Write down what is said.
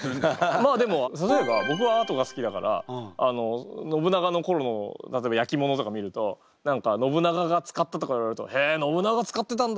まあでも例えば僕はアートが好きだから信長の頃の例えば焼き物とか見ると何か「信長が使った」とか言われると「へえ信長使ってたんだ！